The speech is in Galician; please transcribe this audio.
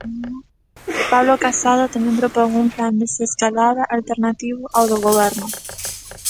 Pablo Casado tamén propón un plan desescalada alternativo ao do Goberno.